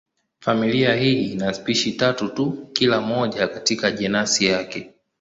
Familia hii ina spishi tatu tu, kila moja katika jenasi yake.